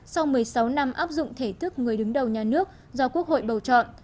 sau một mươi sáu năm áp dụng thể thức người đứng đầu nhà nước do quốc hội bầu chọn